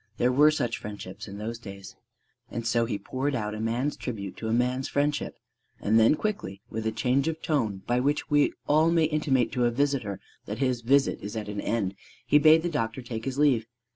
(There were such friendships in those days.) And so he poured out a man's tribute to a man's friendship; and then quickly with a change of tone by which we all may intimate to a visitor that his visit is at an end, he bade the doctor take his leave.